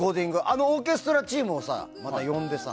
あのオーケストラチームをまた呼んでさ。